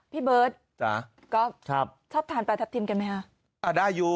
พี่เบิร์ตชอบทานปลาทับทิมกันไหมครับ